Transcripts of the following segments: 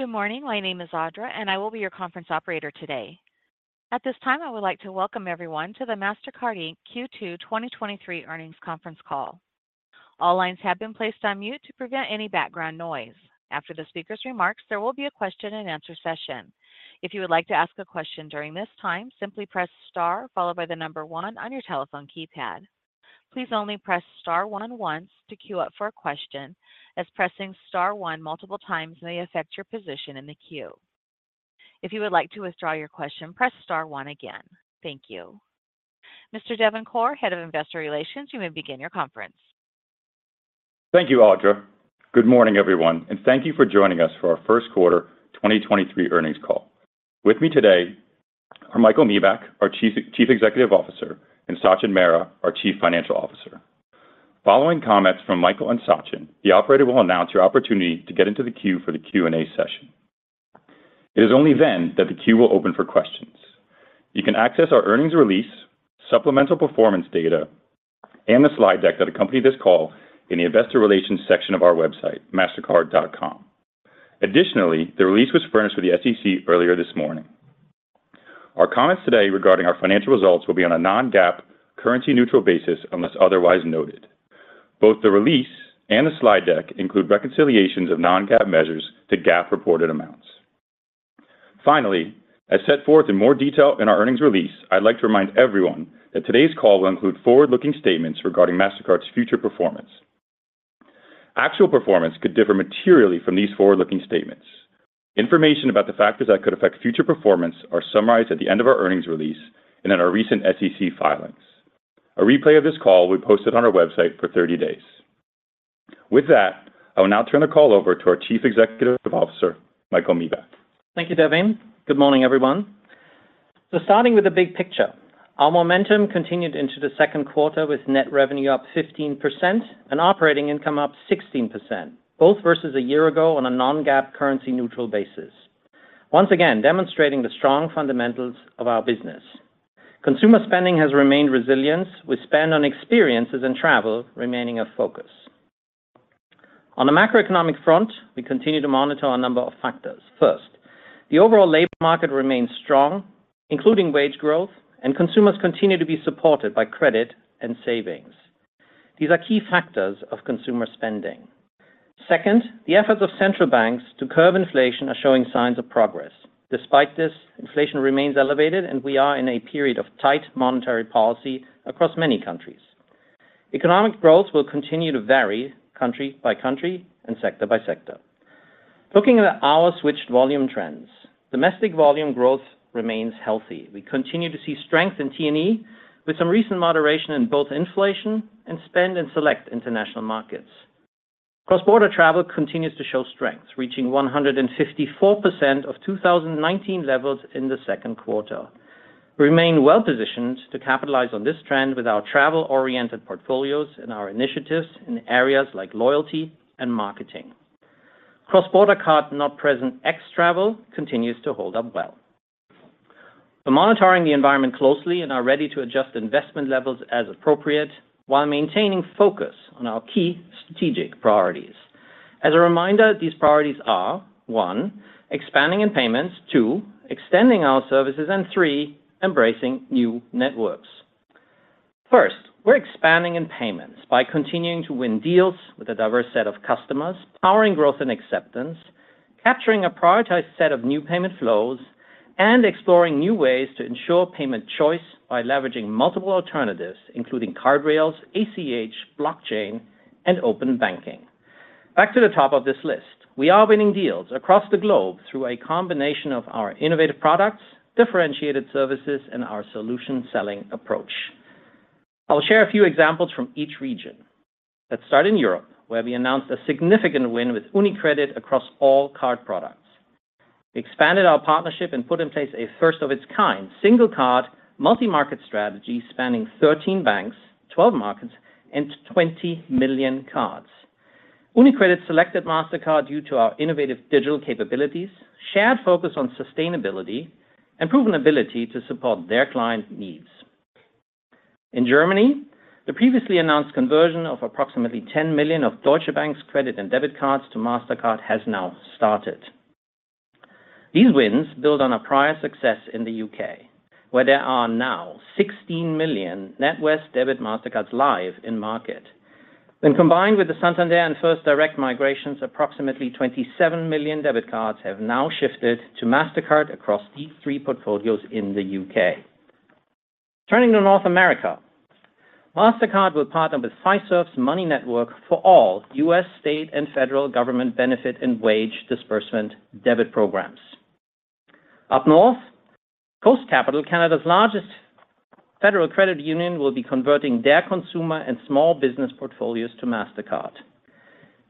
Good morning, my name is Audra, and I will be your conference operator today. At this time, I would like to welcome everyone to the Mastercard Inc. Q2 2023 Earnings Conference Call. All lines have been placed on mute to prevent any background noise. After the speaker's remarks, there will be a question and answer session. If you would like to ask a question during this time, simply press star, followed by the number one on your telephone keypad. Please only press star one once to queue up for a question, as pressing star one multiple times may affect your position in the queue. If you would like to withdraw your question, press star one again. Thank you. Mr. Devin Corr, Head of Investor Relations, you may begin your conference. Thank you, Audra. Good morning, everyone, and thank you for joining us for our Q1 2023 earnings call. With me today are Michael Miebach, our Chief Executive Officer, and Sachin Mehra, our Chief Financial Officer. Following comments from Michael and Sachin, the operator will announce your opportunity to get into the queue for the Q&A session. It is only then that the queue will open for questions. You can access our earnings release, supplemental performance data, and the slide deck that accompany this call in the investor relations section of our website, mastercard.com. The release was furnished with the SEC earlier this morning. Our comments today regarding our financial results will be on a non-GAAP, currency-neutral basis, unless otherwise noted. Both the release and the slide deck include reconciliations of non-GAAP measures to GAAP reported amounts. Finally, as set forth in more detail in our earnings release, I'd like to remind everyone that today's call will include forward-looking statements regarding Mastercard's future performance. Actual performance could differ materially from these forward-looking statements. Information about the factors that could affect future performance are summarized at the end of our earnings release and in our recent SEC filings. A replay of this call will be posted on our website for 30 days. With that, I will now turn the call over to our Chief Executive Officer, Michael Miebach. Thank you, Devin. Good morning, everyone. Starting with the big picture, our momentum continued into the second quarter, with net revenue up 15% and operating income up 16%, both versus a year ago on a non-GAAP currency neutral basis. Once again, demonstrating the strong fundamentals of our business. Consumer spending has remained resilient, with spend on experiences and travel remaining a focus. On a macroeconomic front, we continue to monitor a number of factors. First, the overall labor market remains strong, including wage growth, and consumers continue to be supported by credit and savings. These are key factors of consumer spending. Second, the efforts of central banks to curb inflation are showing signs of progress. Despite this, inflation remains elevated, and we are in a period of tight monetary policy across many countries. Economic growth will continue to vary country by country and sector by sector. Looking at our switched volume trends, domestic volume growth remains healthy. We continue to see strength in TNE, with some recent moderation in both inflation and spend in select international markets. Cross-border travel continues to show strength, reaching 154% of 2019 levels in the second quarter. We remain well positioned to capitalize on this trend with our travel-oriented portfolios and our initiatives in areas like loyalty and marketing. Cross-border card, not present X travel, continues to hold up well. We're monitoring the environment closely and are ready to adjust investment levels as appropriate while maintaining focus on our key strategic priorities. As a reminder, these priorities are, 1, expanding in payments, 2, extending our services, and 3, embracing new networks. First, we're expanding in payments by continuing to win deals with a diverse set of customers, powering growth and acceptance, capturing a prioritized set of new payment flows, and exploring new ways to ensure payment choice by leveraging multiple alternatives, including card rails, ACH, blockchain, and open banking. Back to the top of this list, we are winning deals across the globe through a combination of our innovative products, differentiated services, and our solution selling approach. I'll share a few examples from each region. Let's start in Europe, where we announced a significant win with UniCredit across all card products. We expanded our partnership and put in place a first of its kind, single card, multi-market strategy spanning 13 banks, 12 markets, and 20 million cards. UniCredit selected Mastercard due to our innovative digital capabilities, shared focus on sustainability, and proven ability to support their client needs. In Germany, the previously announced conversion of approximately 10 million of Deutsche Bank's credit and debit cards to Mastercard has now started. These wins build on a prior success in the U.K., where there are now 16 million NatWest Debit Mastercards live in market. When combined with the Santander and first direct migrations, approximately 27 million debit cards have now shifted to Mastercard across these 3 portfolios in the U.K. Turning to North America, Mastercard will partner with Fiserv's Money Network for all U.S. state and federal government benefit and wage disbursement debit programs. Up north, Coast Capital, Canada's largest federal credit union, will be converting their consumer and small business portfolios to Mastercard.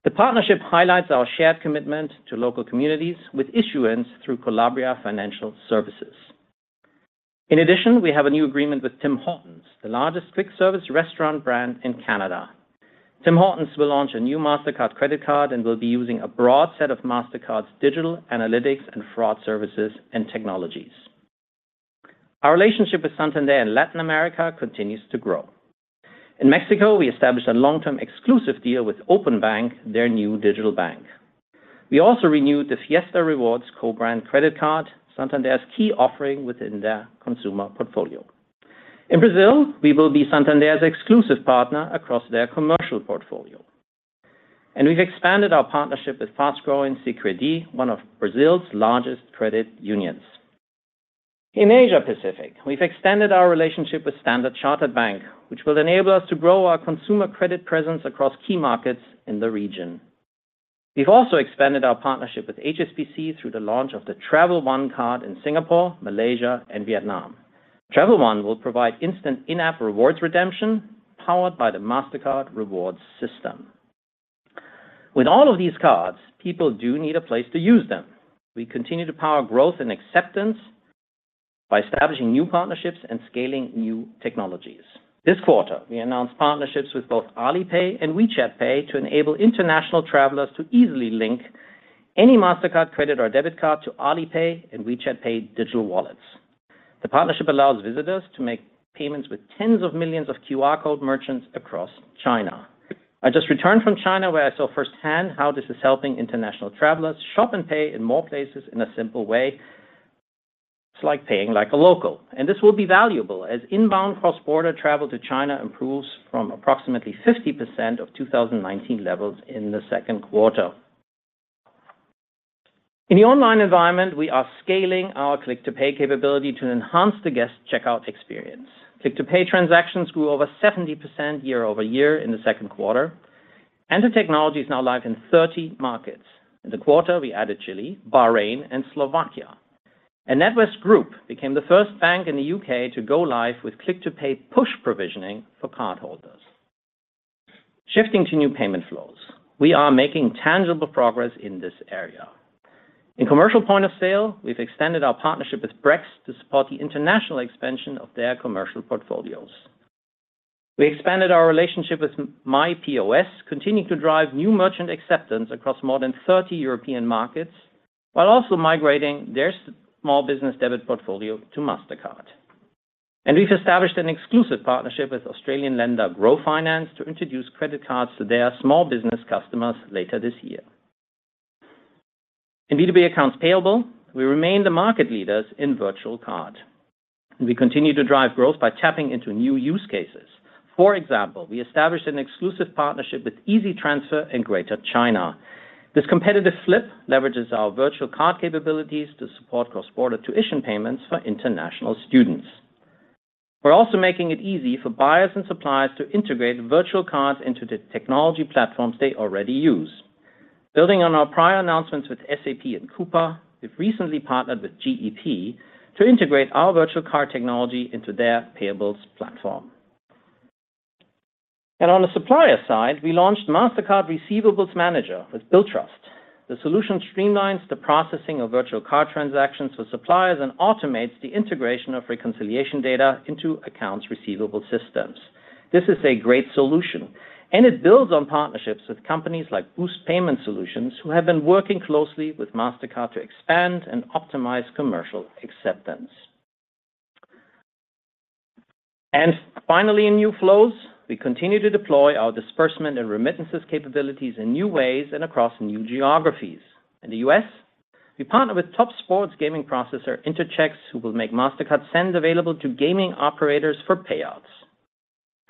The partnership highlights our shared commitment to local communities with issuance through Collabria Financial Services. In addition, we have a new agreement with Tim Hortons, the largest quick service restaurant brand in Canada. Tim Hortons will launch a new Mastercard credit card and will be using a broad set of Mastercard's digital analytics and fraud services and technologies. Our relationship with Santander in Latin America continues to grow. In Mexico, we established a long-term exclusive deal with Openbank, their new digital bank. We also renewed the Fiesta Rewards co-brand credit card, Santander's key offering within their consumer portfolio. In Brazil, we will be Santander's exclusive partner across their commercial portfolio. We've expanded our partnership with fast-growing Sicredi, one of Brazil's largest credit unions. In Asia Pacific, we've extended our relationship with Standard Chartered Bank, which will enable us to grow our consumer credit presence across key markets in the region. We've also expanded our partnership with HSBC through the launch of the TravelOne card in Singapore, Malaysia, and Vietnam. TravelOne will provide instant in-app rewards redemption, powered by the Mastercard Rewards system. With all of these cards, people do need a place to use them. We continue to power growth and acceptance by establishing new partnerships and scaling new technologies. This quarter, we announced partnerships with both Alipay and WeChat Pay to enable international travelers to easily link any Mastercard credit or debit card to Alipay and WeChat Pay digital wallets. The partnership allows visitors to make payments with tens of millions of QR code merchants across China. I just returned from China, where I saw firsthand how this is helping international travelers shop and pay in more places in a simple way. It's like paying like a local, and this will be valuable as inbound cross-border travel to China improves from approximately 50% of 2019 levels in the second quarter. In the online environment, we are scaling our Click to Pay capability to enhance the guest checkout experience. Click to Pay transactions grew over 70% year-over-year in the second quarter, and the technology is now live in 30 markets. In the quarter, we added Chile, Bahrain, and Slovakia. NatWest Group became the first bank in the U.K. to go live with Click to Pay push provisioning for cardholders. Shifting to new payment flows, we are making tangible progress in this area. In commercial point-of-sale, we've extended our partnership with Brex to support the international expansion of their commercial portfolios. We expanded our relationship with myPOS, continuing to drive new merchant acceptance across more than 30 European markets, while also migrating their small business debit portfolio to Mastercard. We've established an exclusive partnership with Australian lender Grow Finance to introduce credit cards to their small business customers later this year. In B2B accounts payable, we remain the market leaders in virtual card, and we continue to drive growth by tapping into new use cases. For example, we established an exclusive partnership with EasyTransfer in Greater China. This competitive flip leverages our virtual card capabilities to support cross-border tuition payments for international students. We're also making it easy for buyers and suppliers to integrate virtual cards into the technology platforms they already use. Building on our prior announcements with SAP and Coupa, we've recently partnered with GEP to integrate our virtual card technology into their payables platform. On the supplier side, we launched Mastercard Receivables Manager with Billtrust. The solution streamlines the processing of virtual card transactions with suppliers and automates the integration of reconciliation data into accounts receivable systems. This is a great solution, it builds on partnerships with companies like Boost Payment Solutions, who have been working closely with Mastercard to expand and optimize commercial acceptance. Finally, in new flows, we continue to deploy our disbursement and remittances capabilities in new ways and across new geographies. In the U.S., we partnered with top sports gaming processor, Interchecks, who will make Mastercard Send available to gaming operators for payouts.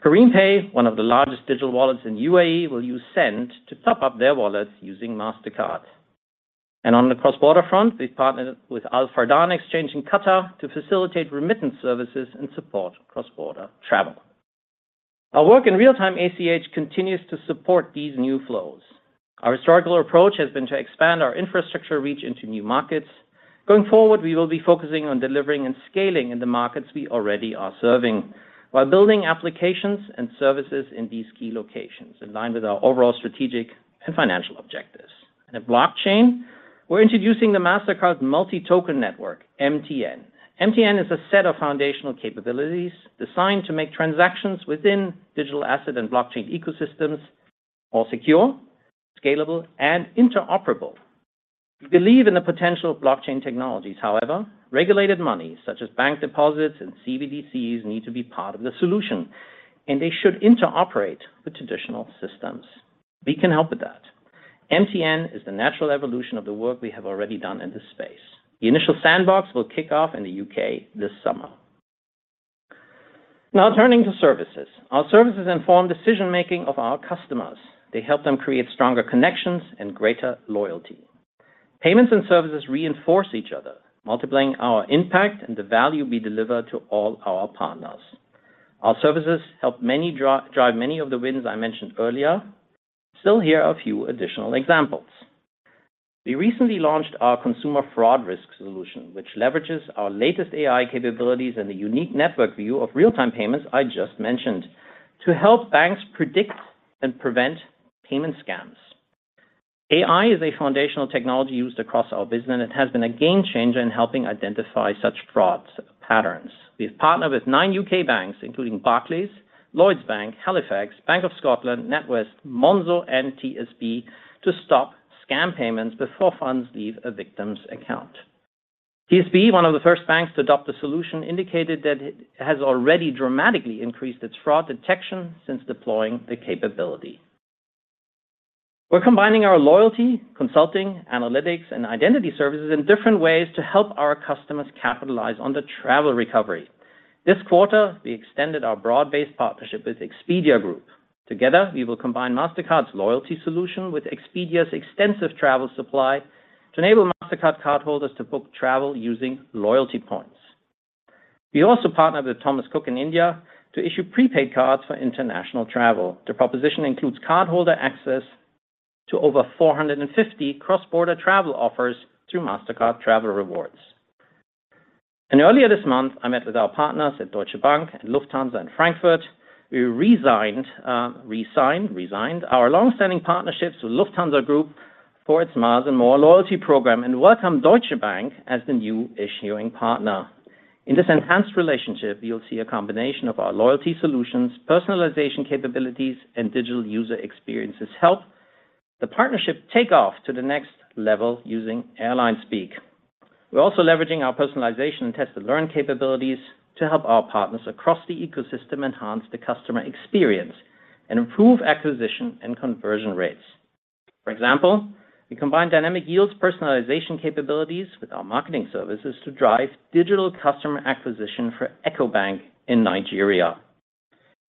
Careem Pay, one of the largest digital wallets in U.A.E., will use Send to top up their wallets using Mastercard. On the cross-border front, we've partnered with Alfardan Exchange in Qatar to facilitate remittance services and support cross-border travel. Our work in real-time ACH continues to support these new flows. Our historical approach has been to expand our infrastructure reach into new markets. Going forward, we will be focusing on delivering and scaling in the markets we already are serving, while building applications and services in these key locations, in line with our overall strategic and financial objectives. In blockchain, we're introducing the Mastercard Multi-Token Network, MTN. MTN is a set of foundational capabilities designed to make transactions within digital asset and blockchain ecosystems more secure, scalable, and interoperable. We believe in the potential of blockchain technologies. However, regulated money, such as bank deposits and CBDCs, need to be part of the solution, and they should interoperate with traditional systems. We can help with that. MTN is the natural evolution of the work we have already done in this space. The initial sandbox will kick off in the U.K. this summer. Now turning to services. Our services inform decision-making of our customers. They help them create stronger connections and greater loyalty. Payments and services reinforce each other, multiplying our impact and the value we deliver to all our partners. Our services help many drive many of the wins I mentioned earlier. Here are a few additional examples. We recently launched our Consumer Fraud Risk solution, which leverages our latest AI capabilities and the unique network view of real-time payments I just mentioned, to help banks predict and prevent payment scams. AI is a foundational technology used across our business, it has been a game changer in helping identify such fraud patterns. We've partnered with nine U.K. banks, including Barclays, Lloyds Bank, Halifax, Bank of Scotland, NatWest, Monzo, and TSB, to stop scam payments before funds leave a victim's account. TSB, one of the first banks to adopt the solution, indicated that it has already dramatically increased its fraud detection since deploying the capability. We're combining our loyalty, consulting, analytics, and identity services in different ways to help our customers capitalize on the travel recovery. This quarter, we extended our broad-based partnership with Expedia Group. Together, we will combine Mastercard's loyalty solution with Expedia's extensive travel supply to enable Mastercard cardholders to book travel using loyalty points. We also partnered with Thomas Cook in India to issue prepaid cards for international travel. The proposition includes cardholder access to over 450 cross-border travel offers through Mastercard Travel Rewards. Earlier this month, I met with our partners at Deutsche Bank and Lufthansa in Frankfurt. We resigned our long-standing partnerships with Lufthansa Group for its Miles & More loyalty program, and welcomed Deutsche Bank as the new issuing partner. In this enhanced relationship, you'll see a combination of our loyalty solutions, personalization capabilities, and digital user experiences help the partnership take off to the next level using airline speak. We're also leveraging our personalization and Test & Learn capabilities to help our partners across the ecosystem enhance the customer experience and improve acquisition and conversion rates. For example, we combined Dynamic Yield's personalization capabilities with our marketing services to drive digital customer acquisition for Ecobank in Nigeria.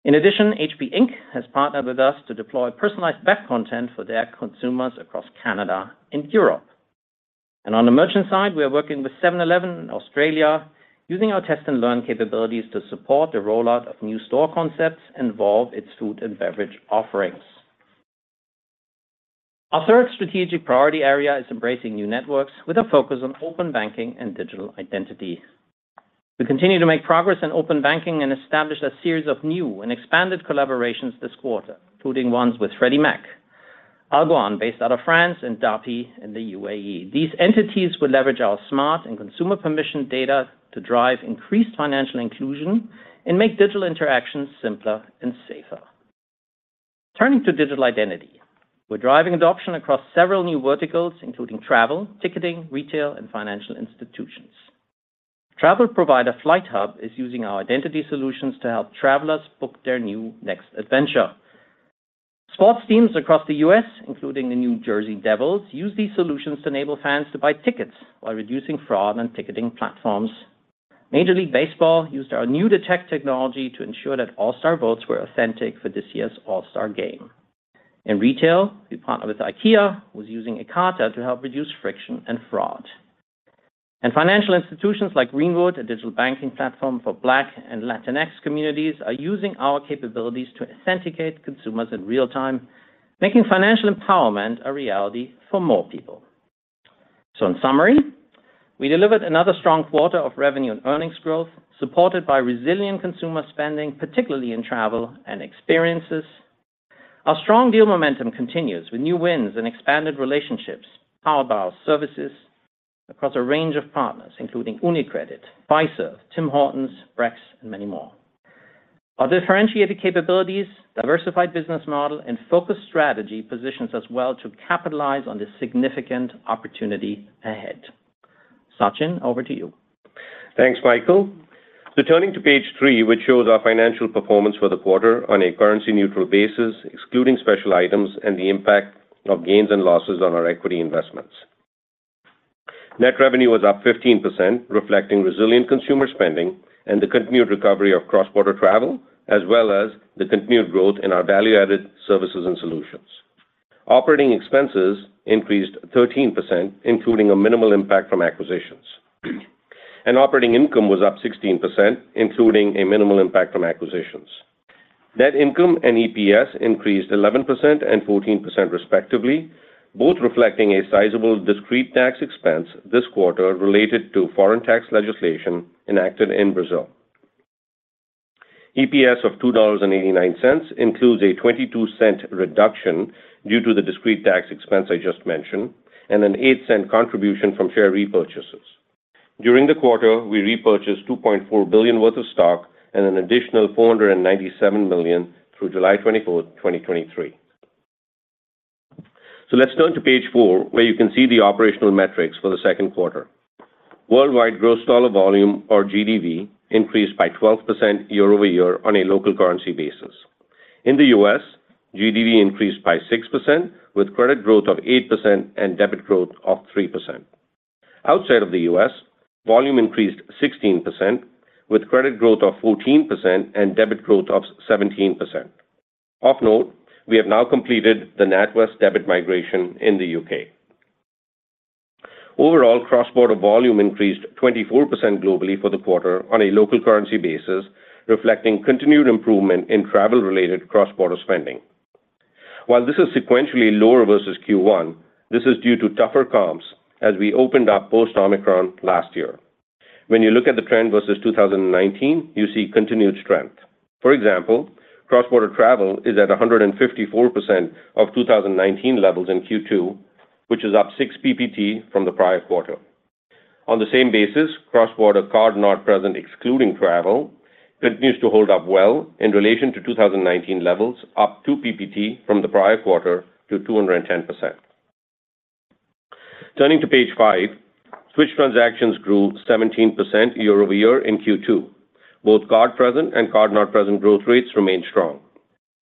In addition, HP Inc. has partnered with us to deploy personalized pack-in content for their consumers across Canada and Europe. On the merchant side, we are working with 7-Eleven in Australia, using our Test & Learn capabilities to support the rollout of new store concepts and evolve its food and beverage offerings. Our third strategic priority area is embracing new networks with a focus on open banking and digital identity. We continue to make progress in open banking and established a series of new and expanded collaborations this quarter, including ones with Freddie Mac, Allwyn, based out of France, and Dapi in the UAE. These entities will leverage our smart and consumer permission data to drive increased financial inclusion and make digital interactions simpler and safer. Turning to digital identity, we're driving adoption across several new verticals, including travel, ticketing, retail, and financial institutions. Travel provider FlightHub is using our identity solutions to help travelers book their new next adventure. Sports teams across the U.S., including the New Jersey Devils, use these solutions to enable fans to buy tickets while reducing fraud on ticketing platforms. Major League Baseball used our new detect technology to ensure that All-Star votes were authentic for this year's All-Star game. In retail, we partnered with IKEA, who's using Ekata to help reduce friction and fraud. Financial institutions like Greenwood, a digital banking platform for Black and LatinX communities, are using our capabilities to authenticate consumers in real time, making financial empowerment a reality for more people. In summary, we delivered another strong quarter of revenue and earnings growth, supported by resilient consumer spending, particularly in travel and experiences. Our strong deal momentum continues with new wins and expanded relationships, powered by our services across a range of partners, including UniCredit, Fiserv, Tim Hortons, Brex, and many more. Our differentiated capabilities, diversified business model, and focused strategy positions us well to capitalize on this significant opportunity ahead. Sachin, over to you. Thanks, Michael Miebach. Turning to page 3, which shows our financial performance for the quarter on a currency-neutral basis, excluding special items and the impact of gains and losses on our equity investments. Net revenue was up 15%, reflecting resilient consumer spending and the continued recovery of cross-border travel, as well as the continued growth in our value-added services and solutions. Operating expenses increased 13%, including a minimal impact from acquisitions. Operating income was up 16%, including a minimal impact from acquisitions. Net income and EPS increased 11% and 14%, respectively, both reflecting a sizable discrete tax expense this quarter related to foreign tax legislation enacted in Brazil. EPS of $2.89 includes a $0.22 reduction due to the discrete tax expense I just mentioned, and a $0.08 contribution from share repurchases. During the quarter, we repurchased $2.4 billion worth of stock and an additional $497 million through July 24th, 2023. Let's turn to page 4, where you can see the operational metrics for the second quarter. Worldwide gross dollar volume, or GDV, increased by 12% year-over-year on a local currency basis. In the U.S., GDV increased by 6%, with credit growth of 8% and debit growth of 3%. Outside of the U.S., volume increased 16%, with credit growth of 14% and debit growth of 17%. Of note, we have now completed the NatWest debit migration in the U.K. Overall, cross-border volume increased 24% globally for the quarter on a local currency basis, reflecting continued improvement in travel-related cross-border spending. While this is sequentially lower versus Q1, this is due to tougher comps as we opened up post-Omicron last year. When you look at the trend versus 2019, you see continued strength. For example, cross-border travel is at 154% of 2019 levels in second quarter, which is up 6 PPT from the prior quarter. On the same basis, cross-border card not present excluding travel, continues to hold up well in relation to 2019 levels, up 2 PPT from the prior quarter to 210%. Turning to page 5, switch transactions grew 17% year-over-year in second quarter. Both card present and card not present growth rates remained strong.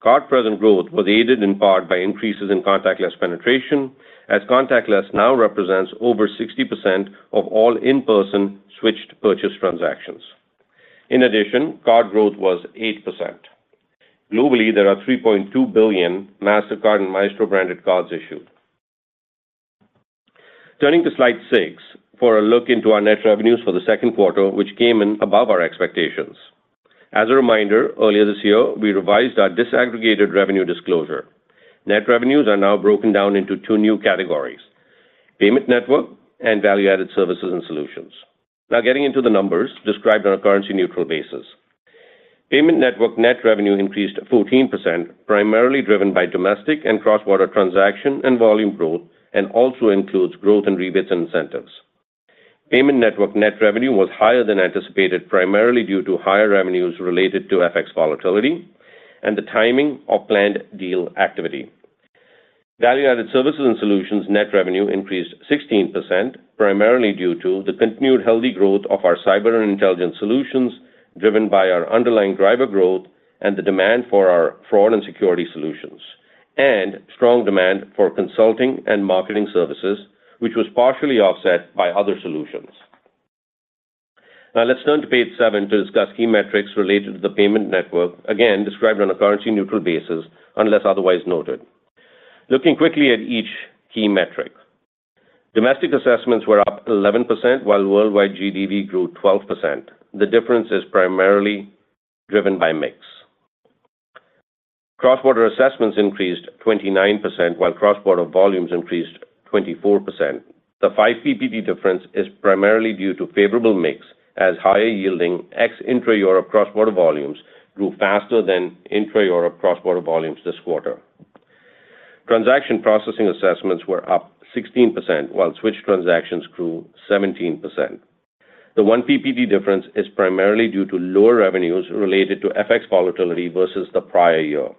Card present growth was aided in part by increases in contactless penetration, as contactless now represents over 60% of all in-person switched purchase transactions. In addition, card growth was 8%. Globally, there are 3.2 billion Mastercard and Maestro branded cards issued. Turning to slide 6, for a look into our net revenues for the second quarter, which came in above our expectations. As a reminder, earlier this year, we revised our disaggregated revenue disclosure. Net revenues are now broken down into two new categories: payment network and value-added services and solutions. Getting into the numbers described on a currency neutral basis. Payment network net revenue increased 14%, primarily driven by domestic and cross-border transaction and volume growth, and also includes growth in rebates and incentives. Payment network net revenue was higher than anticipated, primarily due to higher revenues related to FX volatility and the timing of planned deal activity. Value-added services and solutions net revenue increased 16%, primarily due to the continued healthy growth of our cyber and intelligence solutions, driven by our underlying driver growth and the demand for our fraud and security solutions, and strong demand for consulting and marketing services, which was partially offset by other solutions. Let's turn to page 7 to discuss key metrics related to the payment network, again, described on a currency neutral basis, unless otherwise noted. Looking quickly at each key metric. Domestic assessments were up 11%, while worldwide GDV grew 12%. The difference is primarily driven by mix. Cross-border assessments increased 29%, while cross-border volumes increased 24%. The 5 PPT difference is primarily due to favorable mix, as higher-yielding ex-intra-Europe cross-border volumes grew faster than intra-Europe cross-border volumes this quarter. Transaction processing assessments were up 16%, while switch transactions grew 17%. The one PPT difference is primarily due to lower revenues related to FX volatility versus the prior year.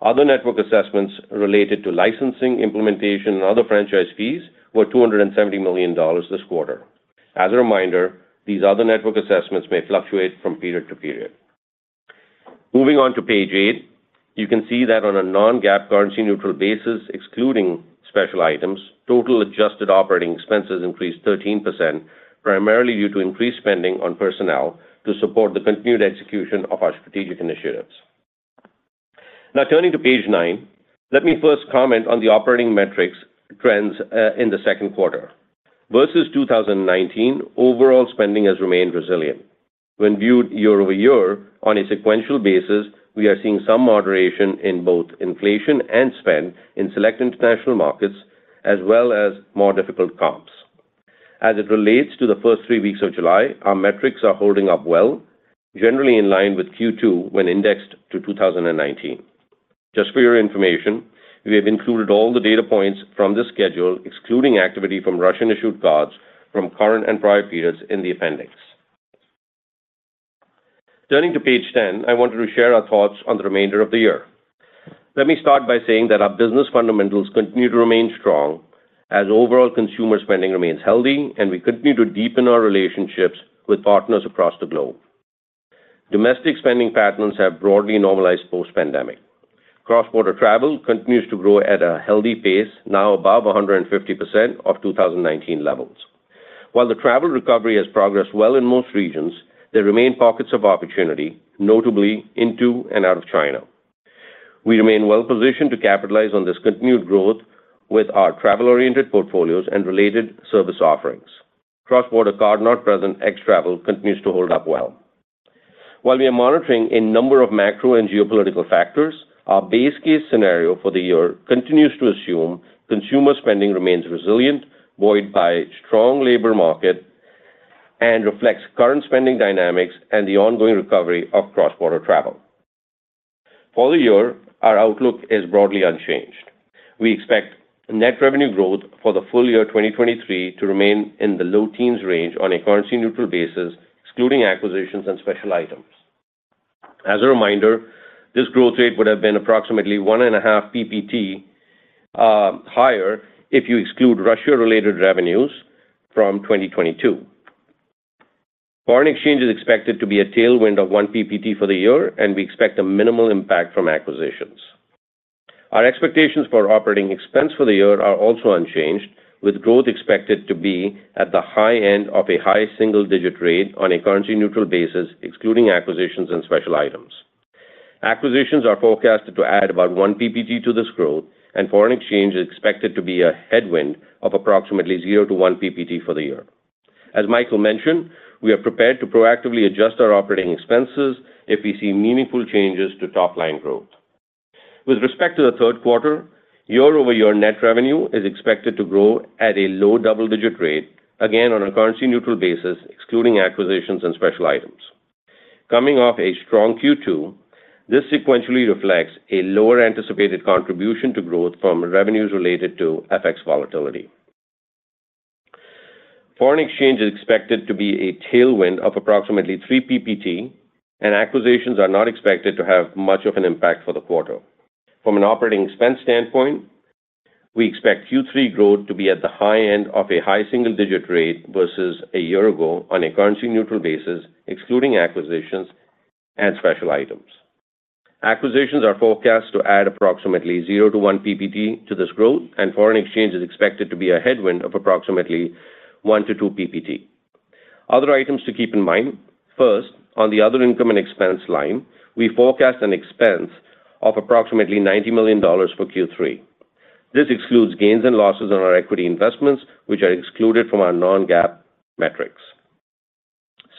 Other network assessments related to licensing, implementation, and other franchise fees were $270 million this quarter. As a reminder, these other network assessments may fluctuate from period to period. Moving on to page eight, you can see that on a non-GAAP currency neutral basis, excluding special items, total adjusted operating expenses increased 13%, primarily due to increased spending on personnel to support the continued execution of our strategic initiatives. Now, turning to page nine, let me first comment on the operating metrics trends in the second quarter. Versus 2019, overall spending has remained resilient. When viewed year-over-year on a sequential basis, we are seeing some moderation in both inflation and spend in select international markets, as well as more difficult comps. As it relates to the first 3weeks of July, our metrics are holding up well, generally in line with second quarter when indexed to 2019. Just for your information, we have included all the data points from this schedule, excluding activity from Russian-issued cards from current and prior periods in the appendix. Turning to page 10, I wanted to share our thoughts on the remainder of the year. Let me start by saying that our business fundamentals continue to remain strong as overall consumer spending remains healthy, and we continue to deepen our relationships with partners across the globe. Domestic spending patterns have broadly normalized post-pandemic. Cross-border travel continues to grow at a healthy pace, now above 150% of 2019 levels. While the travel recovery has progressed well in most regions, there remain pockets of opportunity, notably into and out of China. We remain well-positioned to capitalize on this continued growth with our travel-oriented portfolios and related service offerings. Cross-border card not present, ex travel, continues to hold up well. While we are monitoring a number of macro and geopolitical factors, our base case scenario for the year continues to assume consumer spending remains resilient, buoyed by strong labor market, and reflects current spending dynamics and the ongoing recovery of cross-border travel. For the year, our outlook is broadly unchanged. We expect net revenue growth for the full year 2023 to remain in the low teens range on a currency neutral basis, excluding acquisitions and special items. As a reminder, this growth rate would have been approximately 1.5 PPT higher if you exclude Russia-related revenues from 2022. Foreign exchange is expected to be a tailwind of 1 PPT for the year, and we expect a minimal impact from acquisitions. Our expectations for operating expense for the year are also unchanged, with growth expected to be at the high end of a high single-digit rate on a currency neutral basis, excluding acquisitions and special items. Acquisitions are forecasted to add about 1 PPT to this growth, and foreign exchange is expected to be a headwind of approximately 0-1 PPT for the year. As Michael mentioned, we are prepared to proactively adjust our operating expenses if we see meaningful changes to top-line growth. With respect to the third quarter, year-over-year net revenue is expected to grow at a low double-digit rate, again, on a currency neutral basis, excluding acquisitions and special items. Coming off a strong second quarter, this sequentially reflects a lower anticipated contribution to growth from revenues related to FX volatility. Foreign exchange is expected to be a tailwind of approximately 3 PPT, and acquisitions are not expected to have much of an impact for the quarter. From an operating expense standpoint, we expect Q3 growth to be at the high end of a high single-digit rate versus a year ago on a currency-neutral basis, excluding acquisitions and special items. Acquisitions are forecast to add approximately 0-1 PPT to this growth, and foreign exchange is expected to be a headwind of approximately 1-2 PPT. Other items to keep in mind: First, on the other income and expense line, we forecast an expense of approximately $90 million for Q3. This excludes gains and losses on our equity investments, which are excluded from our non-GAAP metrics.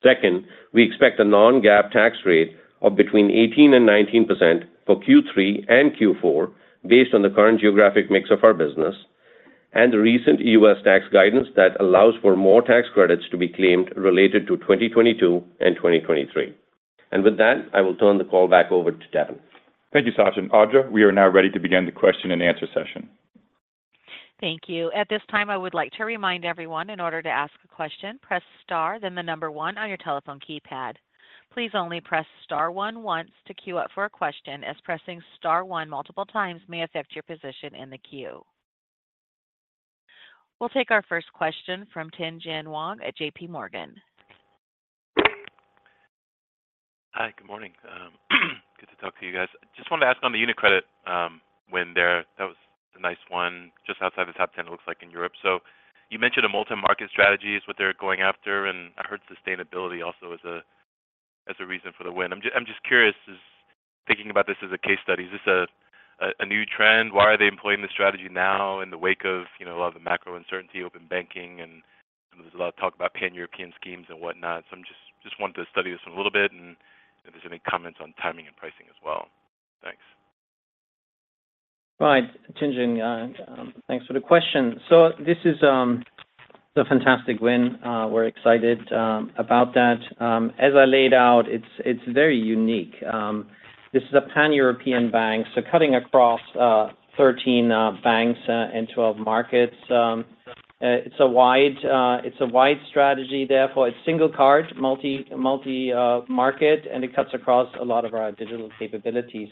Second, we expect a non-GAAP tax rate of between 18% and 19% for Q3 and Q4 based on the current geographic mix of our business and the recent U.S. tax guidance that allows for more tax credits to be claimed related to 2022 and 2023. With that, I will turn the call back over to Devin. Thank you, Sachin. Audra, we are now ready to begin the question and answer session. Thank you. At this time, I would like to remind everyone, in order to ask a question, press star, then the number one on your telephone keypad. Please only press star one once to queue up for a question, as pressing star one multiple times may affect your position in the queue. We'll take our first question from Tien-Tsin Huang at J.P. Morgan. Hi, good morning. Good to talk to you guys. Just wanted to ask on the UniCredit, that was a nice one, just outside of the top 10 it looks like in Europe. You mentioned a multi-market strategy is what they're going after, and I heard sustainability also as a reason for the win. I'm just curious, as thinking about this as a case study, is this a new trend? Why are they employing this strategy now in the wake of, you know, a lot of the macro uncertainty, open banking, and there's a lot of talk about Pan-European schemes and whatnot. I just wanted to study this a little bit and if there's any comments on timing and pricing as well. Thanks. Right, Tien-Tsin, thanks for the question. This is a fantastic win. We're excited about that. As I laid out, it's very unique. This is a Pan-European bank, cutting across 13 banks and 12 markets, it's a wide strategy, therefore, a single card, multi market, and it cuts across a lot of our digital capabilities.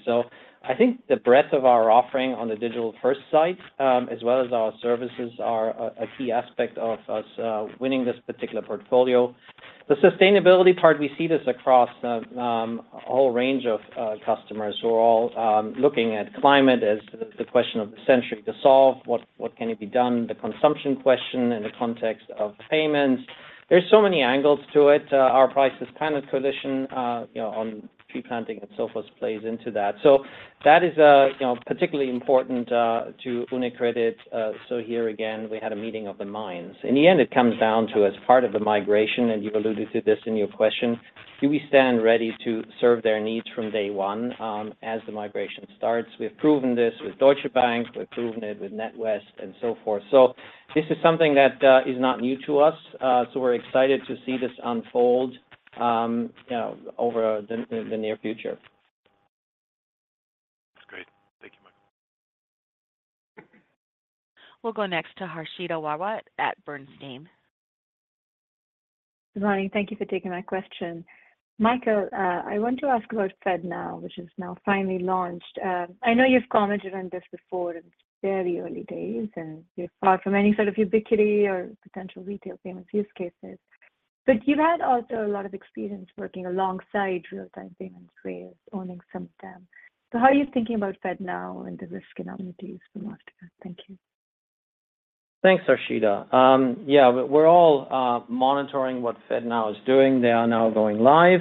I think the breadth of our offering on the digital-first site, as well as our services, are a key aspect of us winning this particular portfolio. The sustainability part, we see this across a whole range of customers who are all looking at climate as the question of the century to solve, what can it be done, the consumption question in the context of payments. There's so many angles to it. Our Priceless Planet Coalition coalition, you know, on tree planting and so forth plays into that. That is, you know, particularly important to UniCredit. Here again, we had a meeting of the minds. In the end, it comes down to as part of the migration, and you've alluded to this in your question, do we stand ready to serve their needs from day one, as the migration starts? We've proven this with Deutsche Bank, we've proven it with NatWest, and so forth. This is something that is not new to us. We're excited to see this unfold, you know, over the, the, the near future. That's great. Thank you, Michael. We'll go next to Harshita Rawat at Bernstein. Good morning. Thank you for taking my question. Michael, I want to ask about FedNow, which is now finally launched. I know you've commented on this before in very early days, and you're far from any sort of ubiquity or potential retail payments use cases, but you've had also a lot of experience working alongside real-time payments rails, owning some of them. How are you thinking about FedNow and the risk and opportunities from Mastercard? Thank you. Thanks, Harshita. Yeah, we're all monitoring what FedNow is doing. They are now going live,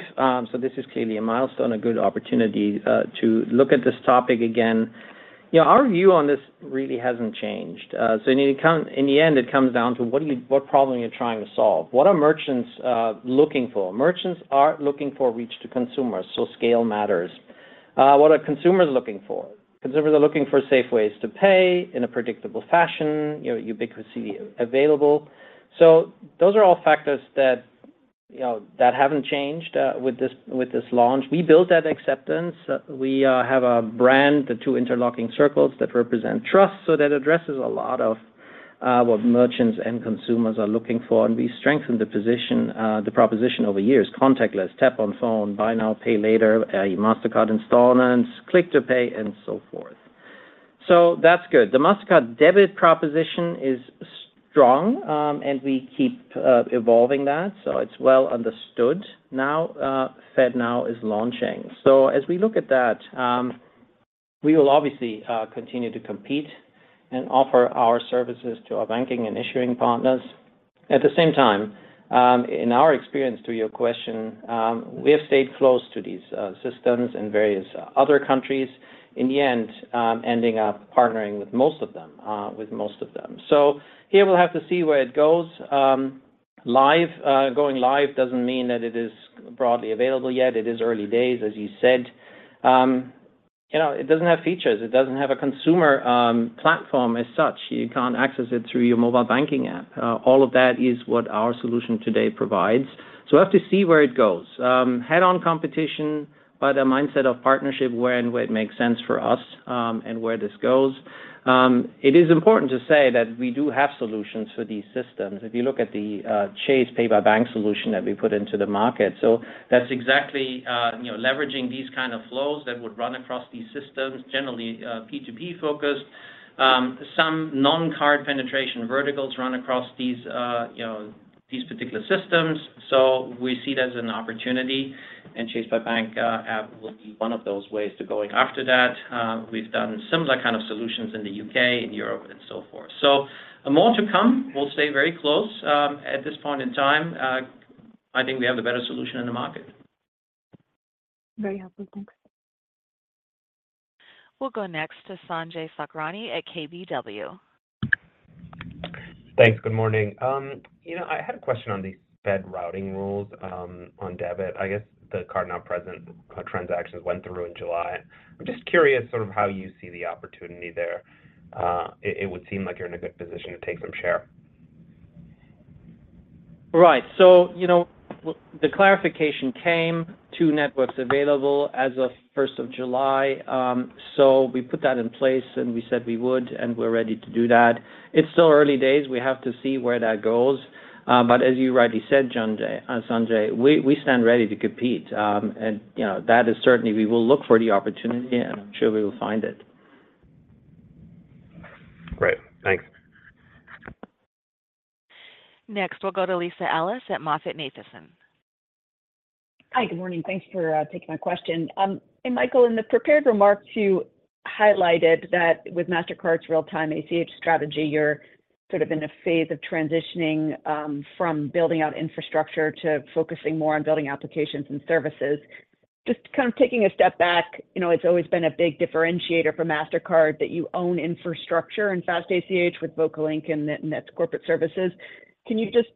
this is clearly a milestone, a good opportunity to look at this topic again. Yeah, our view on this really hasn't changed. In the end, it comes down to what problem are you trying to solve? What are merchants looking for? Merchants are looking for reach to consumers, scale matters. What are consumers looking for? Consumers are looking for safe ways to pay in a predictable fashion, you know, ubiquity available. Those are all factors that, you know, that haven't changed with this, with this launch. We built that acceptance. We have a brand, the two interlocking circles that represent trust, that addresses a lot of what merchants and consumers are looking for, and we strengthen the proposition over years. Contactless, Tap on Phone, Buy Now, Pay Later, Mastercard Installments, Click to Pay, and so forth. That's good. The Mastercard debit proposition is strong, and we keep evolving that, so it's well understood. FedNow is launching. As we look at that, we will obviously continue to compete and offer our services to our banking and issuing partners. At the same time, in our experience, to your question, we have stayed close to these systems in various other countries, in the end, ending up partnering with most of them. Here we'll have to see where it goes. live, going live doesn't mean that it is broadly available yet. It is early days, as you said. You know, it doesn't have features, it doesn't have a consumer, platform as such. You can't access it through your mobile banking app. All of that is what our solution today provides. We have to see where it goes. Head-on competition, but a mindset of partnership where and where it makes sense for us, and where this goes. It is important to say that we do have solutions for these systems. If you look at the Chase Pay-by-Bank solution that we put into the market, that's exactly, you know, leveraging these kind of flows that would run across these systems, generally, P2P-focused. Some non-card penetration verticals run across these, you know, these particular systems, so we see it as an opportunity, and Chase Pay-by-Bank app will be one of those ways to going after that. We've done similar kind of solutions in the U.K. and Europe and so forth. More to come. We'll stay very close. At this point in time, I think we have the better solution in the market. Very helpful. Thanks. We'll go next to Sanjay Sakhrani at KBW. Thanks. Good morning. you know, I had a question on the Fed routing rules, on debit. I guess the card-not-present transactions went through in July. I'm just curious sort of how you see the opportunity there. it would seem like you're in a good position to take some share. Right. You know, the clarification came, two networks available as of first of July. We put that in place, and we said we would, and we're ready to do that. It's still early days. We have to see where that goes, as you rightly said, Sanjay, Sanjay, we stand ready to compete. You know, that is certainly we will look for the opportunity, and I'm sure we will find it. Great. Thanks. Next, we'll go to Lisa Ellis at MoffettNathanson. Hi, good morning. Thanks for taking my question. Hey, Michael, in the prepared remarks, you highlighted that with Mastercard's real-time ACH strategy, you're sort of in a phase of transitioning from building out infrastructure to focusing more on building applications and services. Just kind of taking a step back, you know, it's always been a big differentiator for Mastercard that you own infrastructure and fast ACH with Vocalink and Nets Corporate Services. Can you just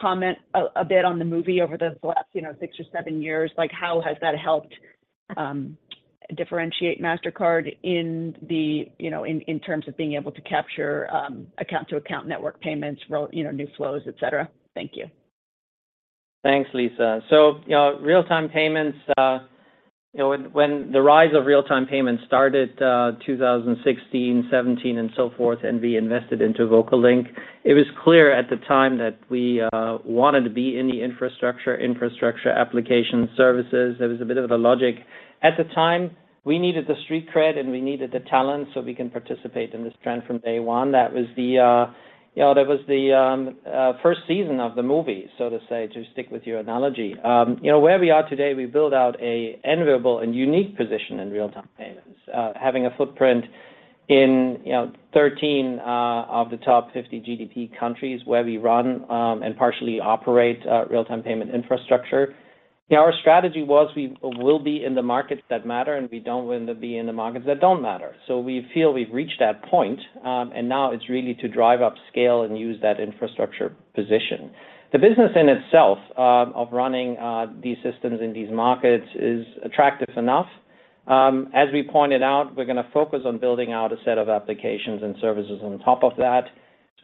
comment a bit on the movie over the last, you know, six or seven years? Like, how has that helped differentiate Mastercard in the, you know, in terms of being able to capture account-to-account network payments, you know, new flows, et cetera? Thank you. Thanks, Lisa. Real-time payments, when the rise of real-time payments started, 2016, 2017, and so forth, and we invested into Vocalink, it was clear at the time that we wanted to be in the infrastructure application services. There was a bit of a logic. At the time, we needed the street cred, and we needed the talent so we can participate in this trend from day one. That was the, that was the first season of the movie, so to say, to stick with your analogy. Where we are today, we built out a enviable and unique position in real-time payments, having a footprint in 13 of the top 50 GDP countries where we run and partially operate real-time payment infrastructure. You know, our strategy was we will be in the markets that matter. We don't want to be in the markets that don't matter. We feel we've reached that point. Now it's really to drive up scale and use that infrastructure position. The business in itself of running these systems in these markets is attractive enough. As we pointed out, we're gonna focus on building out a set of applications and services on top of that.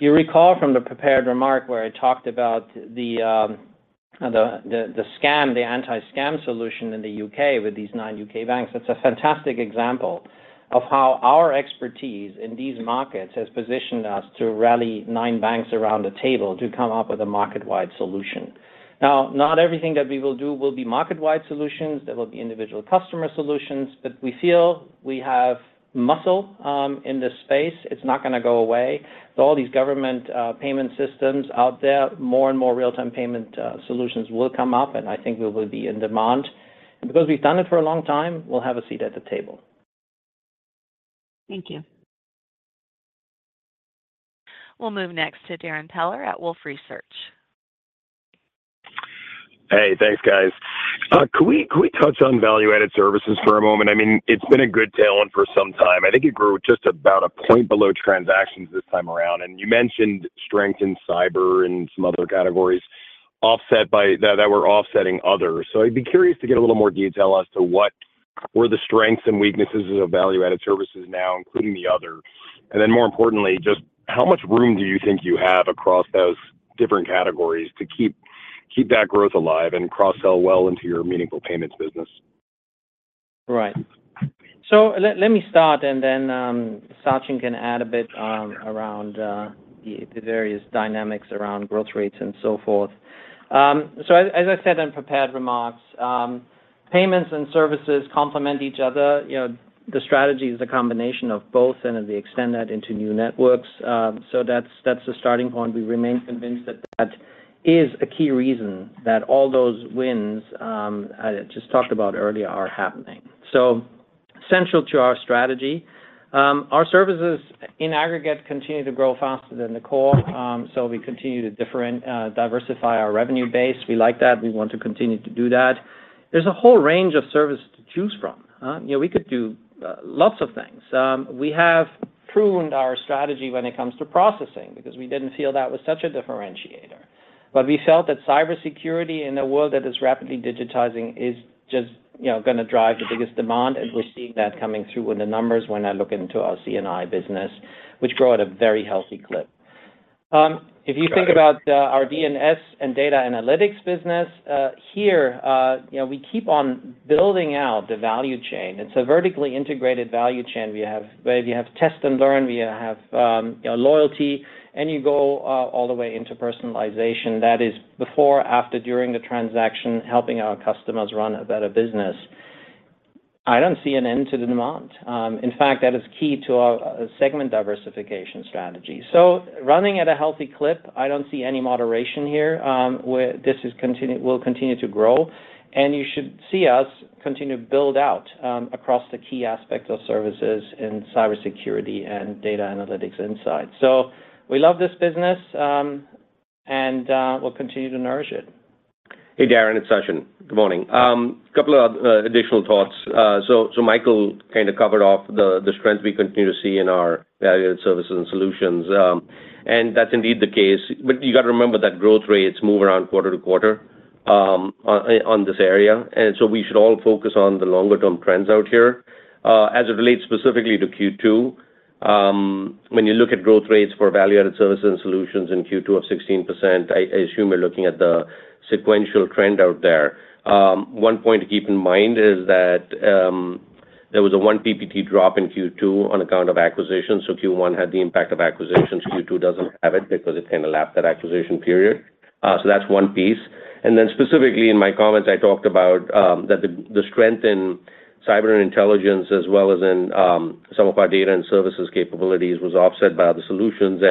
You recall from the prepared remark where I talked about the scam, the anti-scam solution in the U.K. with these nine U.K. banks. That's a fantastic example of how our expertise in these markets has positioned us to rally nine banks around a table to come up with a market-wide solution. Not everything that we will do will be market-wide solutions. There will be individual customer solutions, but we feel we have muscle in this space. It's not gonna go away. All these government payment systems out there, more and more real-time payment solutions will come up, and I think we will be in demand. Because we've done it for a long time, we'll have a seat at the table. Thank you. We'll move next to Darrin Peller at Wolfe Research. Hey, thanks, guys. Could we touch on value-added services for a moment? I mean, it's been a good tailwind for some time. I think it grew just about 1 point below transactions this time around, and you mentioned strength in cyber and some other categories, offset by that were offsetting others. I'd be curious to get a little more detail as to what were the strengths and weaknesses of value-added services now, including the other. Then, more importantly, just how much room do you think you have across those different categories to keep that growth alive and cross-sell well into your meaningful payments business? Right. Let me start, and then Sachin can add a bit around the various dynamics around growth rates and so forth. As I said in prepared remarks, payments and services complement each other. You know, the strategy is a combination of both and then we extend that into new networks. That's the starting point. We remain convinced that that is a key reason that all those wins I just talked about earlier, are happening. Central to our strategy, our services in aggregate continue to grow faster than the core. We continue to diversify our revenue base. We like that. We want to continue to do that. There's a whole range of services to choose from, huh? You know, we could do lots of things. We have pruned our strategy when it comes to processing because we didn't feel that was such a differentiator. We felt that cybersecurity in a world that is rapidly digitizing is just, you know, gonna drive the biggest demand, and we're seeing that coming through in the numbers when I look into our C&I business, which grow at a very healthy clip. If you think about our D&S and data analytics business here, you know, we keep on building out the value chain. It's a vertically integrated value chain. We have where you have Test & Learn, we have loyalty, and you go all the way into personalization. That is before, after, during the transaction, helping our customers run a better business. I don't see an end to the demand. In fact, that is key to our segment diversification strategy. Running at a healthy clip, I don't see any moderation here, where this will continue to grow, and you should see us continue to build out across the key aspects of services in cybersecurity and data analytics insights. We love this business, and we'll continue to nourish it. Hey, Darrin, it's Sachin. Good morning. A couple of additional thoughts. Michael kind of covered off the strengths we continue to see in our value-added services and solutions, and that's indeed the case. You got to remember that growth rates move around quarter to quarter on this area. We should all focus on the longer-term trends out here. As it relates specifically to second quarter, when you look at growth rates for value-added services and solutions in second quarter of 16%, I assume you're looking at the sequential trend out there. One point to keep in mind is that there was a 1 PPT drop in second quarter on account of acquisitions, so Q1 had the impact of acquisitions. second quarter doesn't have it because it kind of lapsed that acquisition period. That's 1 piece. Specifically in my comments, I talked about that the strength in cyber intelligence as well as in some of our data and services capabilities was offset by other solutions.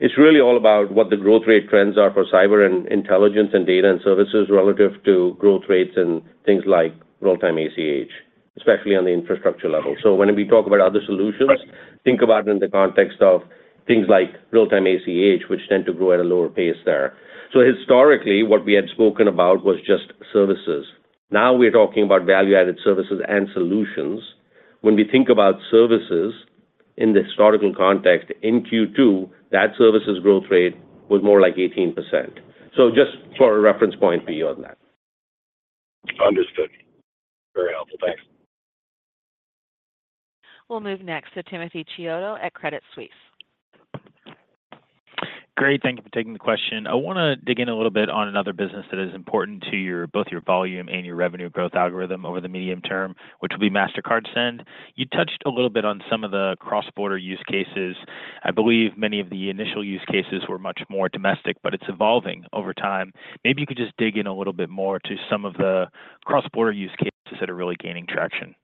It's really all about what the growth rate trends are for cyber and intelligence and data and services relative to growth rates and things like real-time ACH, especially on the infrastructure level. When we talk about other solutions, think about it in the context of things like real-time ACH, which tend to grow at a lower pace there. Historically, what we had spoken about was just services. Now, we're talking about value-added services and solutions. When we think about services in the historical context, in second quarter, that services growth rate was more like 18%. Just for a reference point for you on that. Understood. Very helpful. Thanks. We'll move next to Timothy Chiodo at Credit Suisse. Great. Thank you for taking the question. I wanna dig in a little bit on another business that is important to your, both your volume and your revenue growth algorithm over the medium term, which will be Mastercard Send. You touched a little bit on some of the cross-border use cases. I believe many of the initial use cases were much more domestic, but it's evolving over time. Maybe you could just dig in a little bit more to some of the cross-border use cases that are really gaining traction.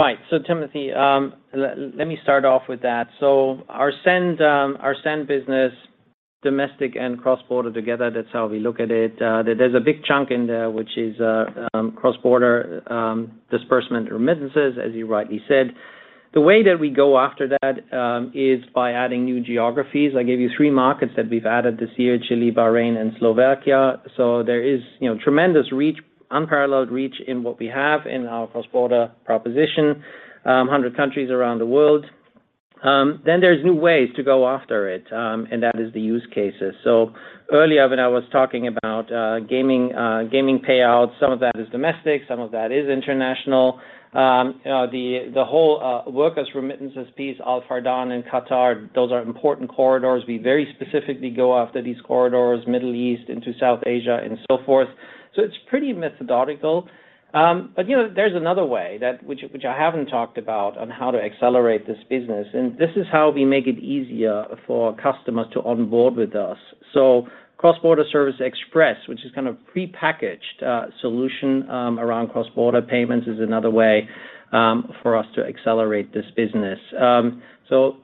Right. Timothy, let me start off with that. Our Send business, domestic and cross-border together, that's how we look at it. There's a big chunk in there, which is cross-border disbursement remittances, as you rightly said. The way that we go after that is by adding new geographies. I gave you 3 markets that we've added this year, Chile, Bahrain, and Slovakia. There is, you know, tremendous reach, unparalleled reach in what we have in our cross-border proposition, 100 countries around the world. There's new ways to go after it, and that is the use cases. Earlier, when I was talking about gaming, gaming payouts, some of that is domestic, some of that is international. The whole workers' remittances piece, Al Fardan and Qatar, those are important corridors. We very specifically go after these corridors, Middle East into South Asia and so forth. It's pretty methodical. You know, there's another way that which I haven't talked about on how to accelerate this business, and this is how we make it easier for customers to onboard with us. Cross-Border Services Express, which is kind of prepackaged solution around cross-border payments, is another way for us to accelerate this business.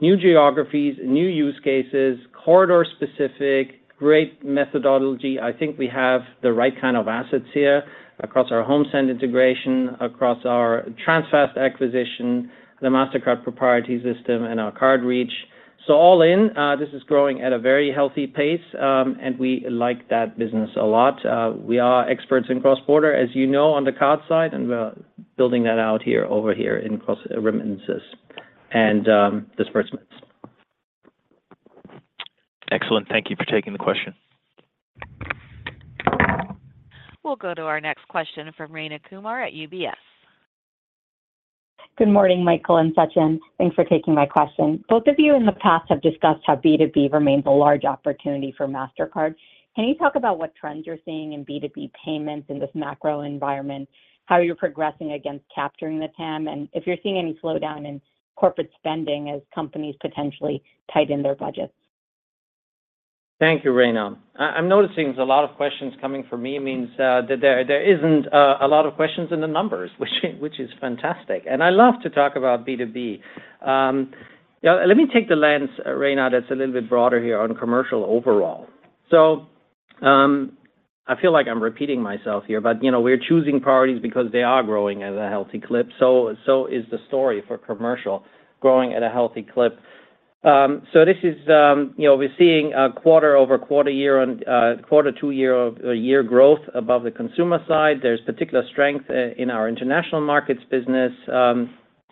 New geographies, new use cases, corridor-specific, great methodology. I think we have the right kind of assets here across our HomeSend integration, across our Transfast acquisition, the Mastercard propriety system, and our card reach. All in, this is growing at a very healthy pace, and we like that business a lot. We are experts in cross-border, as you know, on the card side, and we're building that out here, over here in cross remittances and disbursements. Excellent. Thank you for taking the question. We'll go to our next question from Rayna Kumar at UBS. Good morning, Michael and Sachin. Thanks for taking my question. Both of you in the past have discussed how B2B remains a large opportunity for Mastercard. Can you talk about what trends you're seeing in B2B payments in this macro environment, how you're progressing against capturing the TAM, and if you're seeing any slowdown in corporate spending as companies potentially tighten their budgets? Thank you, Rayna. I'm noticing there's a lot of questions coming from me. It means that there isn't a lot of questions in the numbers, which is fantastic. I love to talk about B2B. Yeah, let me take the lens, Rayna, that's a little bit broader here on commercial overall. I feel like I'm repeating myself here, but, you know, we're choosing priorities because they are growing at a healthy clip. Is the story for commercial, growing at a healthy clip. This is, you know, we're seeing a quarter-over-quarter year on quarter two year-over-year growth above the consumer side. There's particular strength in our international markets business...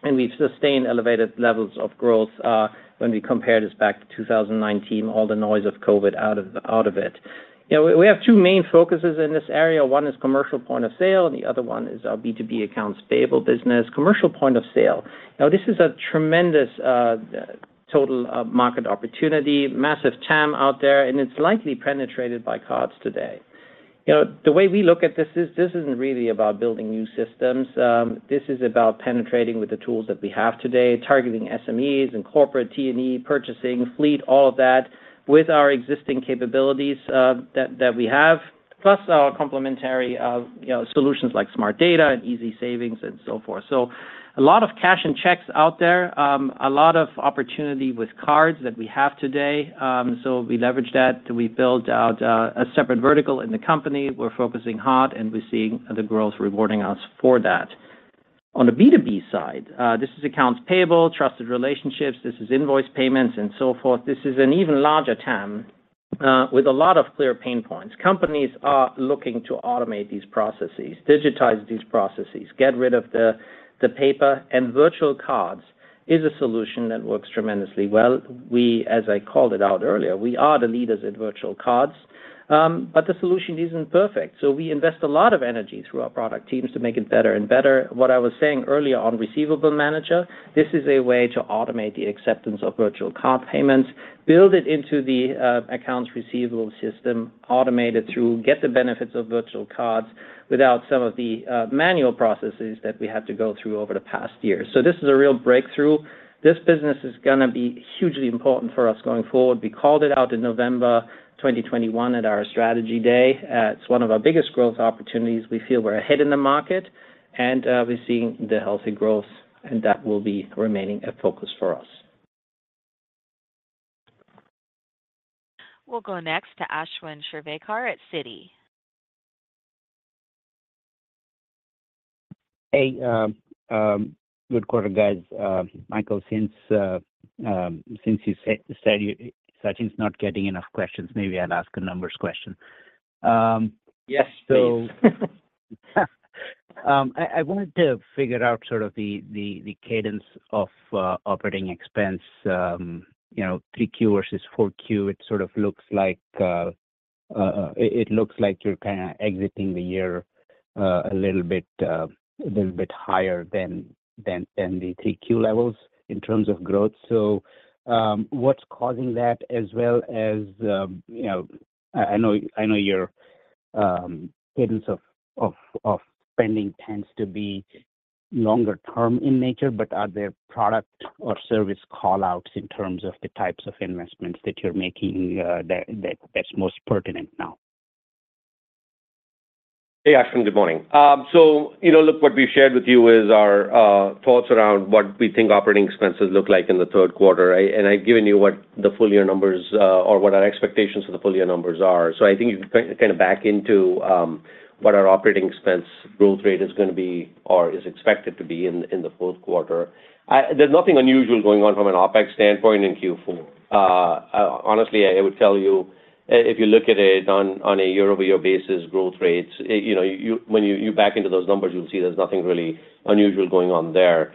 We've sustained elevated levels of growth, when we compare this back to 2019, all the noise of COVID out of it. You know, we have two main focuses in this area. One is commercial point of sale, and the other one is our B2B accounts payable business. Commercial point of sale, now, this is a tremendous total market opportunity, massive TAM out there, and it's lightly penetrated by cards today. You know, the way we look at this is this isn't really about building new systems. This is about penetrating with the tools that we have today, targeting SMEs and corporate T&E, purchasing, fleet, all of that, with our existing capabilities that we have, plus our complementary, you know, solutions like Smart Data and Easy Savings and so forth. A lot of cash and checks out there, a lot of opportunity with cards that we have today. We leverage that. We built out a separate vertical in the company. We're focusing hard, and we're seeing the growth rewarding us for that. On the B2B side, this is accounts payable, trusted relationships. This is invoice payments and so forth. This is an even larger TAM with a lot of clear pain points. Companies are looking to automate these processes, digitize these processes, get rid of the paper, and virtual cards is a solution that works tremendously well. We, as I called it out earlier, we are the leaders in virtual cards, but the solution isn't perfect. We invest a lot of energy through our product teams to make it better and better. What I was saying earlier on Receivable Manager, this is a way to automate the acceptance of virtual card payments, build it into the accounts receivable system, automate it through, get the benefits of virtual cards without some of the manual processes that we had to go through over the past year. This is a real breakthrough. This business is gonna be hugely important for us going forward. We called it out in November 2021 at our strategy day. It's one of our biggest growth opportunities. We feel we're ahead in the market, and we're seeing the healthy growth, and that will be remaining a focus for us. We'll go next to Ashwin Shirvaikar at Citi. Hey, good quarter, guys. Michael, since you said Sachin's not getting enough questions, maybe I'll ask a numbers question. Yes, please. I, I wanted to figure out sort of the cadence of OpEx, you know, 3Q versus 4Q. It sort of looks like it looks like you're kinda exiting the year a little bit higher than the 3Q levels in terms of growth. What's causing that as well as, you know... I, I know, I know your cadence of spending tends to be longer term in nature, but are there product or service call-outs in terms of the types of investments that you're making that's most pertinent now? Hey, Ashwin, good morning. you know, look, what we've shared with you is our thoughts around what we think operating expenses look like in the third quarter, right? I've given you what the full year numbers or what our expectations for the full year numbers are. I think you can kinda back into what our operating expense growth rate is gonna be or is expected to be in the fourth quarter. There's nothing unusual going on from an OpEx standpoint in Q4. honestly, I would tell you if you look at it on a year-over-year basis, growth rates, you know, you, when you back into those numbers, you'll see there's nothing really unusual going on there.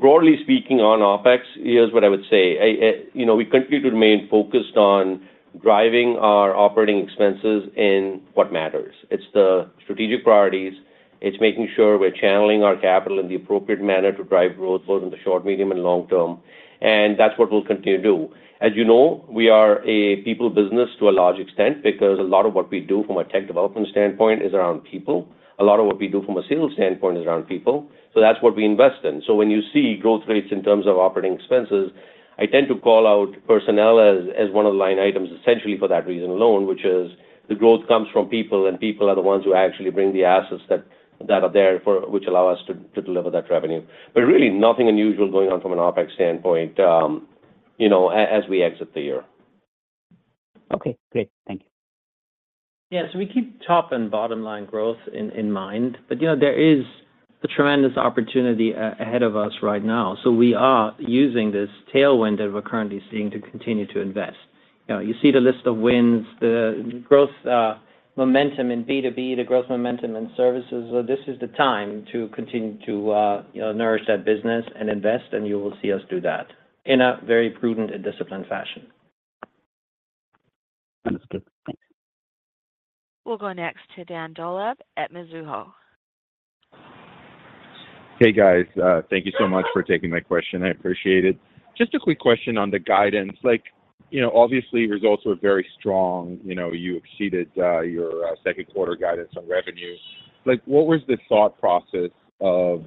broadly speaking, on OpEx, here's what I would say. You know, we continue to remain focused on driving our operating expenses in what matters. It's the strategic priorities. It's making sure we're channeling our capital in the appropriate manner to drive growth both in the short, medium, and long term, and that's what we'll continue to do. As you know, we are a people business to a large extent because a lot of what we do from a tech development standpoint is around people. A lot of what we do from a sales standpoint is around people, so that's what we invest in. So when you see growth rates in terms of operating expenses, I tend to call out personnel as one of the line items essentially for that reason alone, which is the growth comes from people, and people are the ones who actually bring the assets that are there for... which allow us to deliver that revenue. Really, nothing unusual going on from an OpEx standpoint, you know, as we exit the year. Okay, great. Thank you. Yeah, we keep top and bottom line growth in mind, but, you know, there is a tremendous opportunity ahead of us right now. We are using this tailwind that we're currently seeing to continue to invest. You see the list of wins, the growth momentum in B2B, the growth momentum in services. This is the time to continue to, you know, nourish that business and invest, and you will see us do that in a very prudent and disciplined fashion. Understood. Thank you. We'll go next to Dan Dolev at Mizuho. Hey, guys. Thank you so much for taking my question. I appreciate it. Just a quick question on the guidance. Like, you know, obviously, results were very strong. You know, you exceeded, your, second quarter guidance on revenue. Like, what was the thought process of,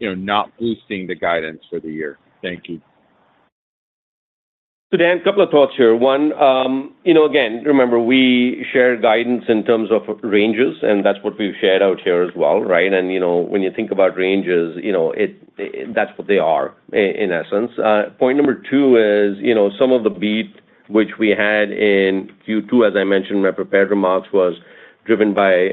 you know, not boosting the guidance for the year? Thank you. Dan, a couple of thoughts here. One, you know, again, remember, we share guidance in terms of ranges, and that's what we've shared out here as well, right? You know, when you think about ranges, you know, that's what they are in essence. Point number two is, you know, some of the beat, which we had in second quarter, as I mentioned in my prepared remarks, was driven by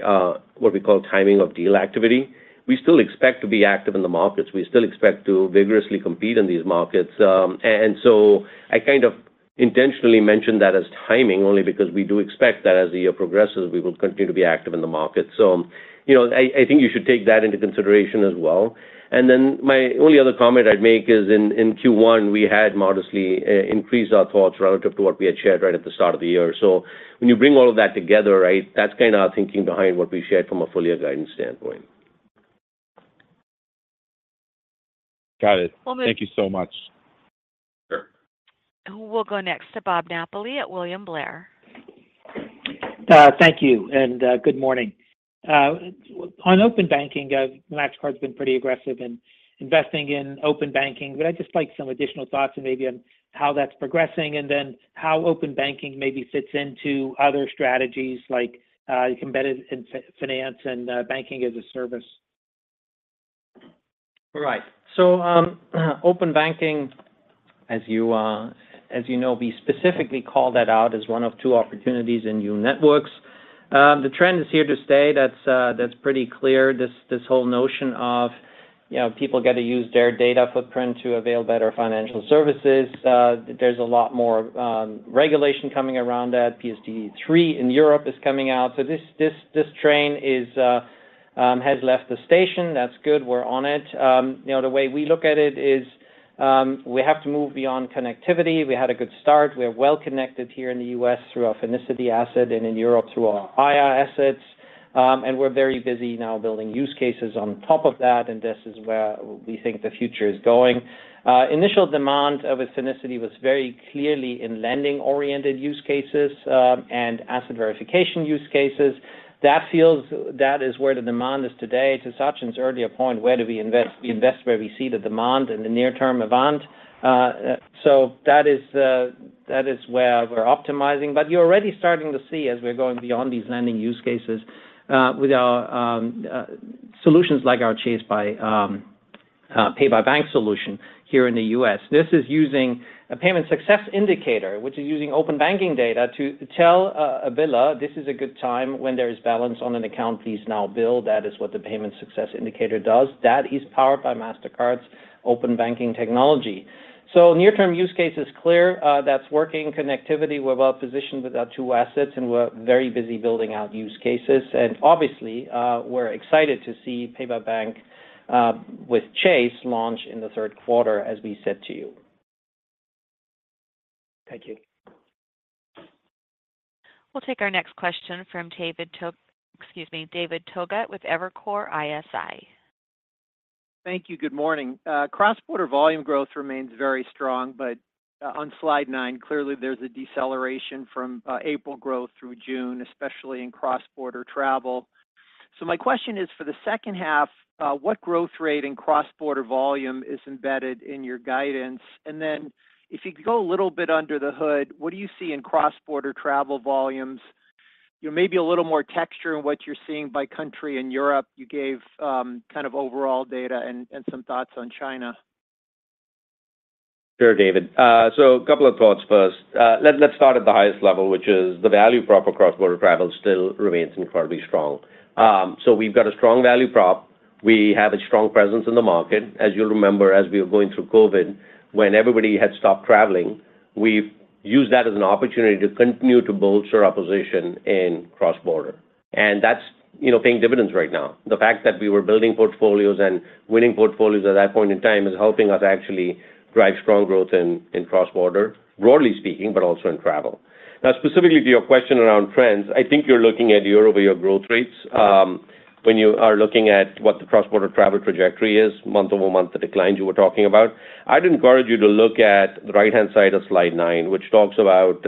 what we call timing of deal activity. We still expect to be active in the markets. We still expect to vigorously compete in these markets, I kind of intentionally mention that as timing only because we do expect that as the year progresses, we will continue to be active in the market. You know, I think you should take that into consideration as well. My only other comment I'd make is in, in Q1, we had modestly increased our thoughts relative to what we had shared right at the start of the year. When you bring all of that together, right, that's kind of our thinking behind what we've shared from a full year guidance standpoint. Got it. Well. Thank you so much. Sure. We'll go next to Robert Napoli at William Blair. Thank you. Good morning. On open banking, Mastercard's been pretty aggressive in investing in open banking, I'd just like some additional thoughts maybe on how that's progressing, how open banking maybe fits into other strategies like embedded in finance and banking as a service? Right. Open banking, as you know, we specifically call that out as one of two opportunities in new networks. The trend is here to stay. That's pretty clear. This whole notion of, you know, people get to use their data footprint to avail better financial services, there's a lot more regulation coming around that. PSD3 in Europe is coming out. This train has left the station. That's good. We're on it. You know, the way we look at it is, we have to move beyond connectivity. We had a good start. We're well connected here in the U.S. through our Finicity asset and in Europe through our Aiia assets. We're very busy now building use cases on top of that, and this is where we think the future is going. Initial demand of Finicity was very clearly in lending-oriented use cases, and asset verification use cases. That is where the demand is today. To Sachin's earlier point, where do we invest? We invest where we see the demand and the near-term demand. That is the, that is where we're optimizing. You're already starting to see as we're going beyond these lending use cases, with our solutions like our Pay by Bank with Chase solution here in the U.S. This is using a Payment Success Indicator, which is using open banking data to tell a biller, "This is a good time when there is balance on an account, please now bill." That is what the Payment Success Indicator does. That is powered by Mastercard's open banking technology. Near-term use case is clear. That's working connectivity. We're well positioned with our two assets, and we're very busy building out use cases. Obviously, we're excited to see Pay-by-Bank with Chase launch in the third quarter, as we said to you. Thank you. We'll take our next question from excuse me, David Togut with Evercore ISI. Thank you. Good morning. Cross-border volume growth remains very strong. On slide 9, clearly there's a deceleration from April growth through June, especially in cross-border travel. My question is, for the second half, what growth rate in cross-border volume is embedded in your guidance? If you could go a little bit under the hood, what do you see in cross-border travel volumes? You know, maybe a little more texture in what you're seeing by country. In Europe, you gave kind of overall data and some thoughts on China. Sure, David. A couple of thoughts first. Let's start at the highest level, which is the value prop of cross-border travel still remains incredibly strong. We've got a strong value prop. We have a strong presence in the market. As you'll remember, as we were going through COVID, when everybody had stopped traveling, we've used that as an opportunity to continue to bolster our position in cross-border, and that's, you know, paying dividends right now. The fact that we were building portfolios and winning portfolios at that point in time is helping us actually drive strong growth in cross-border, broadly speaking, but also in travel. Specifically to your question around trends, I think you're looking at year-over-year growth rates. When you are looking at what the cross-border travel trajectory is, month-over-month, the declines you were talking about, I'd encourage you to look at the right-hand side of slide 9, which talks about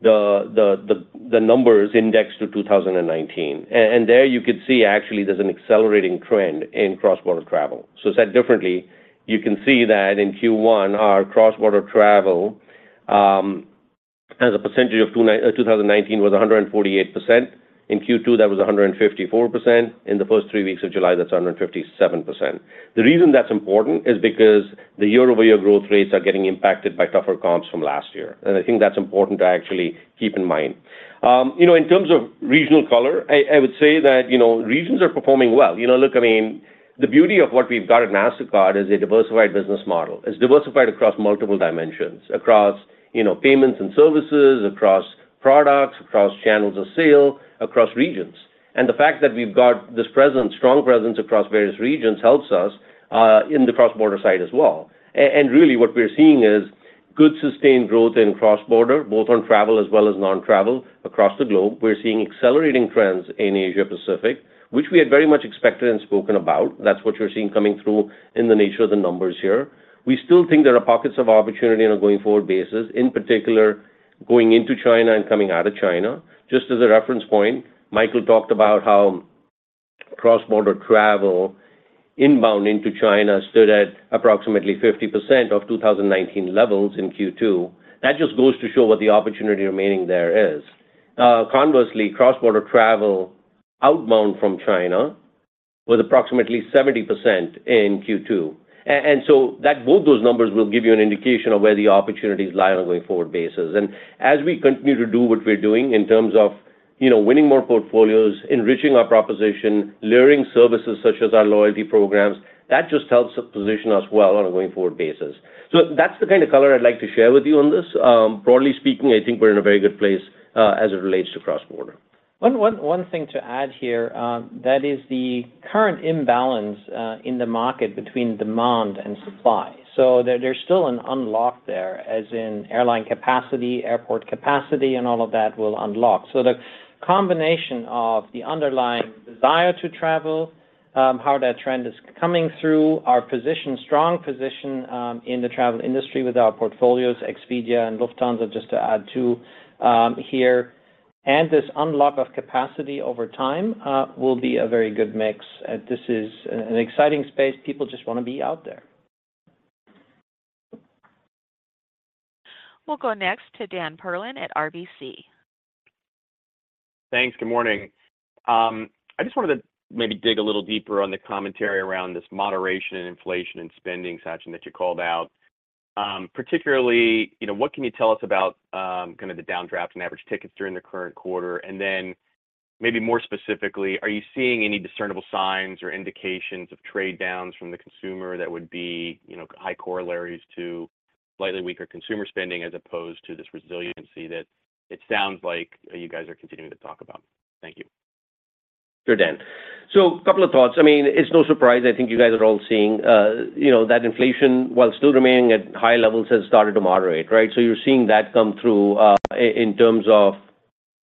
the numbers indexed to 2019. There you could see actually there's an accelerating trend in cross-border travel. Said differently, you can see that in Q1, our cross-border travel as a percentage of 2019, was 148%. In second quarter, that was 154%. In the first 3 weeks of July, that's 157%. The reason that's important is because the year-over-year growth rates are getting impacted by tougher comps from last year, and I think that's important to actually keep in mind. You know, in terms of regional color, I would say that, you know, regions are performing well. You know, look, I mean, the beauty of what we've got at Mastercard is a diversified business model. It's diversified across multiple dimensions, across, you know, payments and services, across products, across channels of sale, across regions. The fact that we've got this presence, strong presence across various regions, helps us in the cross-border side as well. Really, what we're seeing is good, sustained growth in cross-border, both on travel as well as non-travel across the globe. We're seeing accelerating trends in Asia Pacific, which we had very much expected and spoken about. That's what you're seeing coming through in the nature of the numbers here. We still think there are pockets of opportunity on a going-forward basis, in particular, going into China and coming out of China. Just as a reference point, Michael talked about how cross-border travel inbound into China stood at approximately 50% of 2019 levels in second quarter. That just goes to show what the opportunity remaining there is. Conversely, cross-border travel outbound from China was approximately 70% in second quarter. And so that both those numbers will give you an indication of where the opportunities lie on a going-forward basis. As we continue to do what we're doing in terms of you know, winning more portfolios, enriching our proposition, layering services such as our loyalty programs, that just helps us position us well on a going-forward basis. That's the kind of color I'd like to share with you on this. Broadly speaking, I think we're in a very good place, as it relates to cross-border. One thing to add here, that is the current imbalance in the market between demand and supply. There's still an unlock there, as in airline capacity, airport capacity, and all of that will unlock. The combination of the underlying desire to travel, how that trend is coming through, our position, strong position, in the travel industry with our portfolios, Expedia and Lufthansa, just to add two here, this unlock of capacity over time, will be a very good mix. This is an exciting space. People just wanna be out there. We'll go next to Daniel Perlin at RBC. Thanks. Good morning. I just wanted to maybe dig a little deeper on the commentary around this moderation in inflation and spending, Sachin, that you called out. Particularly, you know, what can you tell us about, kind of the downdrafts in average tickets during the current quarter? Maybe more specifically, are you seeing any discernible signs or indications of trade downs from the consumer that would be, you know, high corollaries to slightly weaker consumer spending, as opposed to this resiliency that it sounds like you guys are continuing to talk about? Thank you. Sure, Dan. Couple of thoughts. I mean, it's no surprise, I think you guys are all seeing, you know, that inflation, while still remaining at high levels, has started to moderate, right? You're seeing that come through in terms of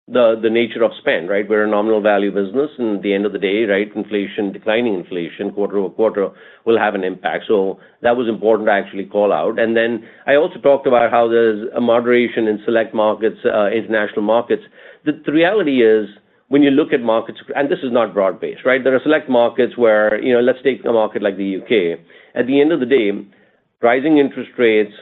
the nature of spend, right? We're a nominal value business, at the end of the day, right, inflation, declining inflation quarter-over-quarter will have an impact. That was important to actually call out. I also talked about how there's a moderation in select markets, international markets. The reality is, when you look at markets... This is not broad-based, right? There are select markets where, you know, let's take a market like the U.K.. At the end of the day, rising interest rates,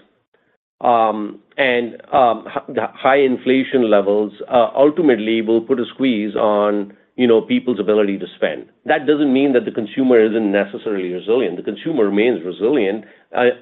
and the high inflation levels ultimately will put a squeeze on, you know, people's ability to spend. That doesn't mean that the consumer isn't necessarily resilient. The consumer remains resilient,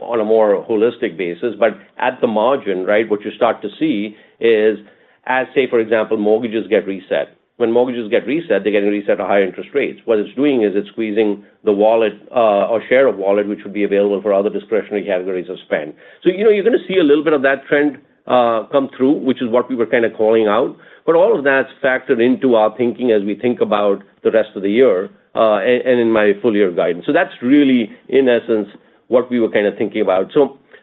on a more holistic basis, but at the margin, right, what you start to see is, as, say, for example, mortgages get reset. When mortgages get reset, they get reset at higher interest rates. What it's doing is it's squeezing the wallet, or share of wallet, which would be available for other discretionary categories of spend. You know, you're gonna see a little bit of that trend come through, which is what we were kind of calling out. All of that's factored into our thinking as we think about the rest of the year, and in my full year guidance. That's really, in essence, what we were kind of thinking about.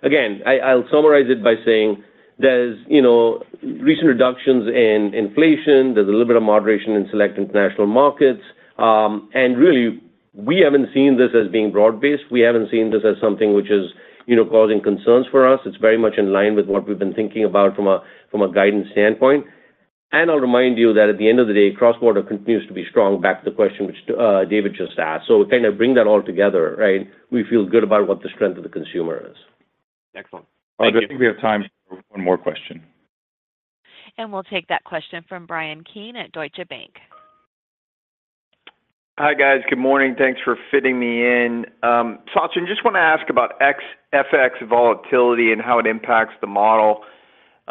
Again, I'll summarize it by saying there's, you know, recent reductions in inflation, there's a little bit of moderation in select international markets, and really, we haven't seen this as being broad-based. We haven't seen this as something which is, you know, causing concerns for us. It's very much in line with what we've been thinking about from a guidance standpoint. I'll remind you that at the end of the day, cross-border continues to be strong, back to the question which David just asked. Kind of bring that all together, right? We feel good about what the strength of the consumer is. Excellent. Thank you. I think we have time for one more question. We'll take that question from Bryan Keane at Deutsche Bank. Hi, guys. Good morning. Thanks for fitting me in. Sachin, just want to ask about ex-FX volatility and how it impacts the model.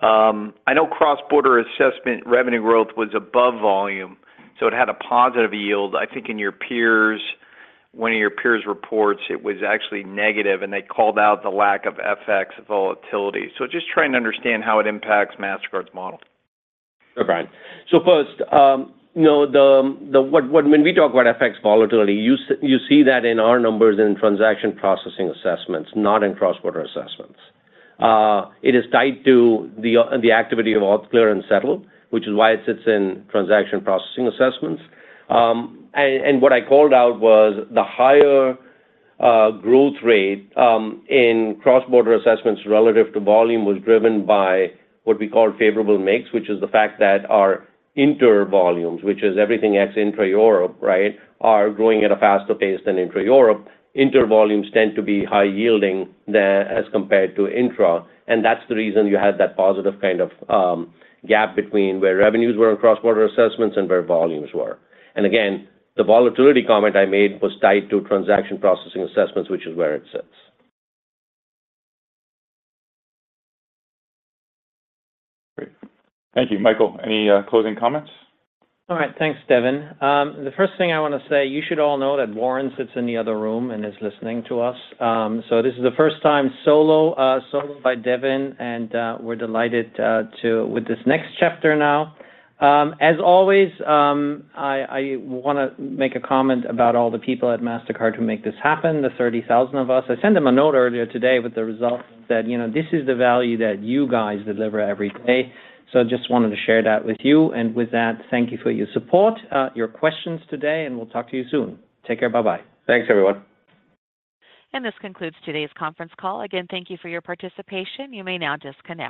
I know cross-border assessment revenue growth was above volume, so it had a positive yield. I think in your peers, one of your peers' reports, it was actually negative, and they called out the lack of FX volatility. Just trying to understand how it impacts Mastercard's model. Sure, Bryan. First, you know, when we talk about FX volatility, you see that in our numbers in transaction processing assessments, not in cross-border assessments. It is tied to the activity of auth, clear, and settle, which is why it sits in transaction processing assessments. And what I called out was the higher growth rate in cross-border assessments relative to volume was driven by what we call favorable mix, which is the fact that our inter-volumes, which is everything ex-intra Europe, right, are growing at a faster pace than intra Europe. Inter-volumes tend to be high yielding than, as compared to intra, and that's the reason you had that positive kind of gap between where revenues were in cross-border assessments and where volumes were. Again, the volatility comment I made was tied to transaction processing assessments, which is where it sits. Great. Thank you. Michael, any closing comments? All right. Thanks, Devin. The first thing I wanna say, you should all know that Warren Kneeshaw sits in the other room and is listening to us. This is the first time solo, solo by Devin, we're delighted with this next chapter now. As always, I wanna make a comment about all the people at Mastercard who make this happen, the 30,000 of us. I sent them a note earlier today with the results and said, "You know, this is the value that you guys deliver every day." Just wanted to share that with you. With that, thank you for your support, your questions today, we'll talk to you soon. Take care. Bye bye. Thanks, everyone. This concludes today's conference call. Thank you for your participation. You may now disconnect.